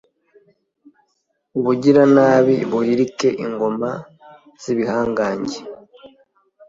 ubugiranabi buhirike ingoma z’ibihangange.